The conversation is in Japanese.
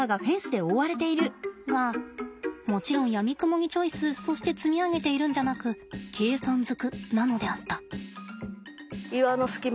がもちろんやみくもにチョイスそして積み上げているんじゃなく計算ずくなのであった。